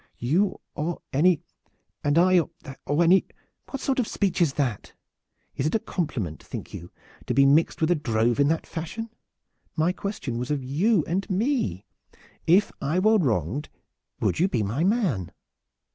"You or any and I or any what sort of speech is that? Is it a compliment, think you, to be mixed with a drove in that fashion? My question was of you and me. If I were wronged would you be my man?"